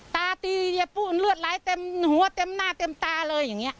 ตาตียายปุ้นเลือดไหลเต็มหัวเต็มหน้าเต็มตาเลยอย่างนี้